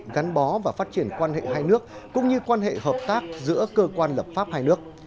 gắn bó và phát triển quan hệ hai nước cũng như quan hệ hợp tác giữa cơ quan lập pháp hai nước